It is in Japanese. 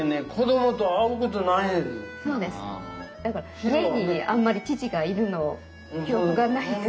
だから家にあんまり父がいるの記憶がないです。